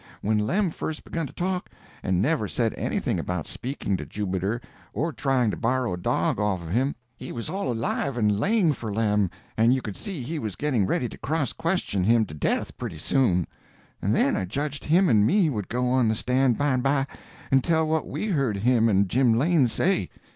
When Lem first begun to talk, and never said anything about speaking to Jubiter or trying to borrow a dog off of him, he was all alive and laying for Lem, and you could see he was getting ready to cross question him to death pretty soon, and then I judged him and me would go on the stand by and by and tell what we heard him and Jim Lane say.